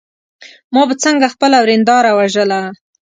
ما به څنګه خپله ورېنداره وژله.